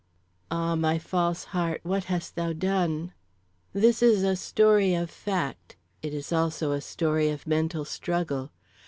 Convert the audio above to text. Ah, my false heart, what hast thou done? This is a story of fact; it is also a story of mental struggle.